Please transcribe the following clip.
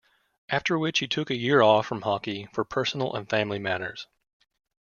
After which he took a year off from hockey for personal and family matters.